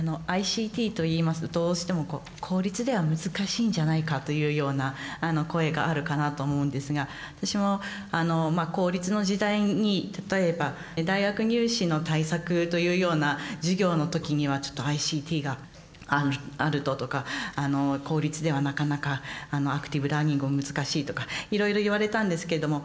ＩＣＴと言いますとどうしても公立では難しいんじゃないかというような声があるかなと思うんですが私も公立の時代に例えば大学入試の対策というような授業の時にはちょっとＩＣＴがあるととか公立ではなかなかアクティブラーニングを難しいとかいろいろ言われたんですけれども。